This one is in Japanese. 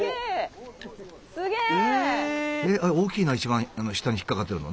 大きいな一番下に引っ掛かってるの。